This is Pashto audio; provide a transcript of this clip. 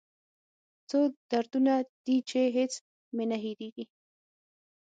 څو دردونه دي چې هېڅ مې نه هېریږي